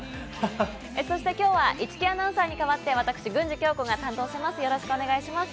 そしてきょうは市來アナウンサーに代わって、私、郡司恭子が担当します。